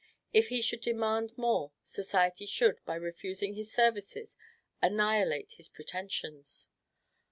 If he should demand more, society should, by refusing his services, annihilate his pretensions.